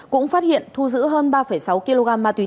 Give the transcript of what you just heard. cũng phát hiện thu giữ hơn ba sáu kg ma túy